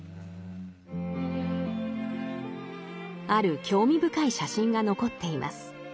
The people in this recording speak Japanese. ある興味深い写真が残っています。